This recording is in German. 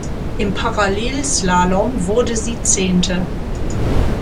Im Parallelslalom wurde sie Zehnte.